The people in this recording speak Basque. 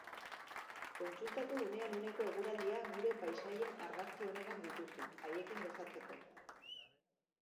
Kontsultatu unean uneko eguraldia gure paisaien argazki onenak dituzu, haiekin gozatzeko.